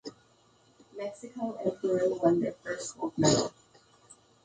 Mexico and Peru won their first gold medal.